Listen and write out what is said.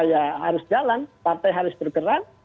ya harus jalan partai harus bergerak